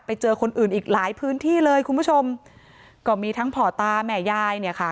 ไปเจอคนอื่นอีกหลายพื้นที่เลยคุณผู้ชมก็มีทั้งพ่อตาแม่ยายเนี่ยค่ะ